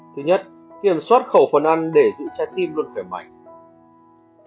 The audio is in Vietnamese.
thứ nhất kiểm soát khẩu phần ăn để giữ trái tim luôn khỏe mạnh